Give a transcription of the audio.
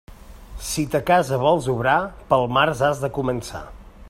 Si ta casa vols obrar, pel març has de començar.